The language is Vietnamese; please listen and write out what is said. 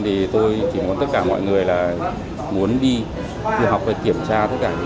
thì tôi chỉ muốn tất cả mọi người là muốn đi học và kiểm tra tất cả